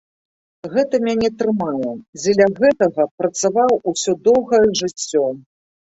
Гэта мяне трымае, дзеля гэтага працаваў усё доўгае жыццё.